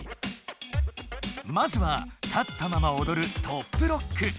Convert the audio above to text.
まずは立ったままおどる「トップロック」！